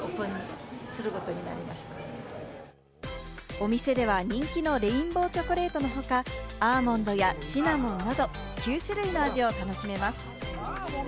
お店では人気のレインボーチョコレートの他、アーモンドやシナモンなど９種類の味を楽しめます。